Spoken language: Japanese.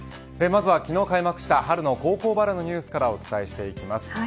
まずは、昨日開幕した春の高校バレーのニュースからお伝えします。